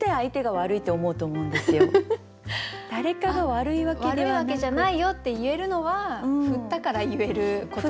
悪いわけじゃないよって言えるのは振ったから言えること。